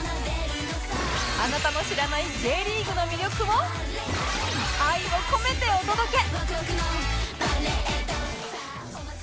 あなたの知らない Ｊ リーグの魅力を愛を込めてお届け！